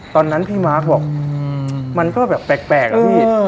ตอนนั้นพี่มาร์คบอกมันก็แบบแปลกอะพี่